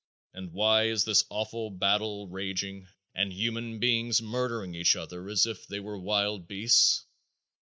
And why is this awful battle raging and human beings murdering each other as if they were wild beasts?